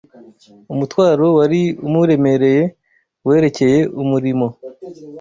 Umutwaro wari umuremereye werekeye umurimo